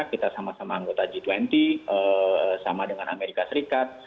kita sama sama anggota g dua puluh sama dengan amerika serikat